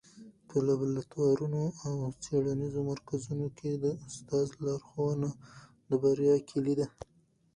په لابراتوارونو او څېړنیزو مرکزونو کي د استاد لارښوونه د بریا کيلي ده.